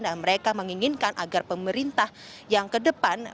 dan mereka menginginkan agar pemerintah yang ke depan